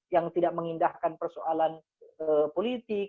yang tidak mengindahkan persoalan politik